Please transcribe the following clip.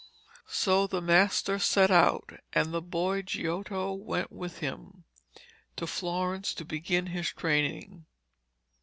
So the master set out, and the boy Giotto went with him to Florence to begin his training.